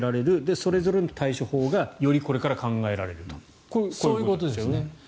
それぞれの対処法がよりこれから考えられるとこういうことですよね。